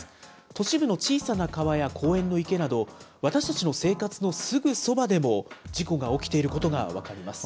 都市部の小さな川や公園の池など、私たちの生活のすぐそばでも事故が起きていることが分かります。